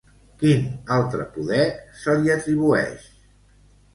Quin altre poder se li atribueix?